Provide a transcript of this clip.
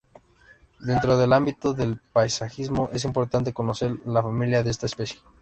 Dentro del ámbito del paisajismo, es importante conocer la familia de esta especie.